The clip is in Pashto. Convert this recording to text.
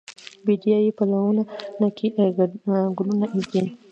بیدیا یې پلونو کې ګلونه ایږدي